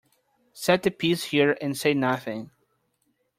Set the piece here and say nothing.